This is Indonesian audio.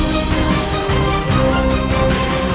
mereka sudah mengakhiri